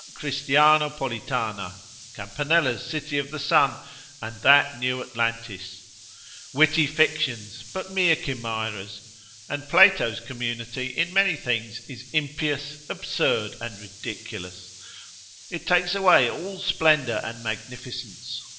Christianopolitana, Campanella's city of the Sun, and that new Atlantis, witty fictions, but mere chimeras; and Plato's community in many things is impious, absurd and ridiculous, it takes away all splendour and magnificence.